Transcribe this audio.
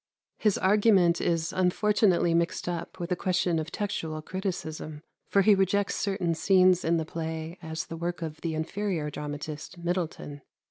His argument is unfortunately mixed up with a question of textual criticism; for he rejects certain scenes in the play as the work of the inferior dramatist Middleton.